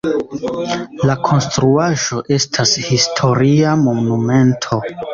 La konstruaĵo estas historia monumento.